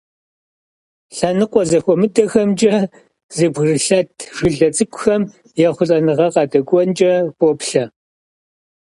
Лъэныкъуэ зэхуэмыдэхэмкӀэ зэбгрылъэт жылэ цӀыкӀухэм ехъулӀэныгъэ къадэкӏуэнкӀэ поплъэ.